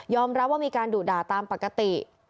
รับว่ามีการดุด่าตามปกติ